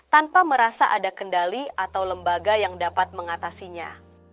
tanpa merasa ada kendali atau lembaga yang dapat mengatasinya